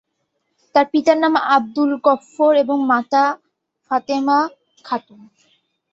তার পিতার নাম আব্দুল গফুর এবং মাতা ফাতেমা খাতুন।